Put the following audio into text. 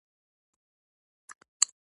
څو نورو کسانو ورته خندل.